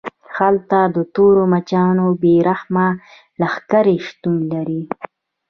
هلته د تورو مچانو بې رحمه لښکرې شتون لري